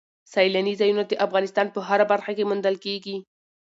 سیلانی ځایونه د افغانستان په هره برخه کې موندل کېږي.